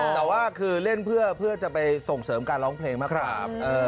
แต่ว่าคือเล่นเพื่อจะไปส่งเสริมการร้องเพลงมากกว่า